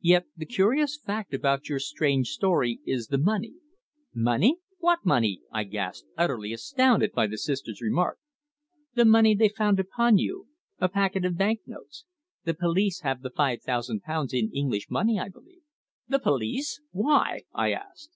"Yet the curious fact about your strange story is the money." "Money! What money?" I gasped, utterly astounded by the Sister's remark. "The money they found upon you, a packet of bank notes. The police have the five thousand pounds in English money, I believe." "The police! Why?" I asked.